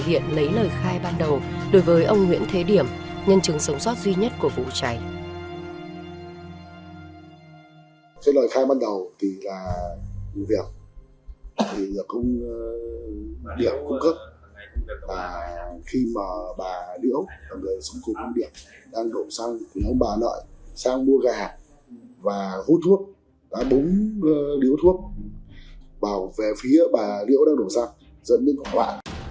bà lợi sang mua gà và hút thuốc búng điếu thuốc vào phía bà liễu đang đổ xăng dẫn đến quả quạ